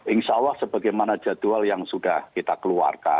insya allah sebagaimana jadwal yang sudah kita keluarkan